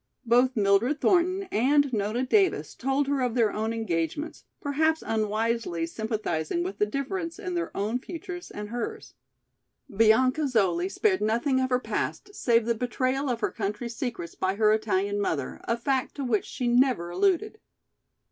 Both Mildred Thornton and Nona Davis told her of their own engagements, perhaps unwisely sympathizing with the difference in their own futures and hers. Bianca Zoli spared nothing of her past save the betrayal of her country's secrets by her Italian mother, a fact to which she never alluded.